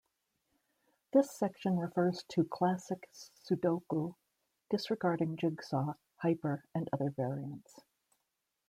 This section refers to classic Sudoku, disregarding jigsaw, hyper, and other variants.